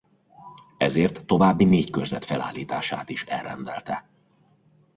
Ezért további négy körzet felállítását is elrendelte.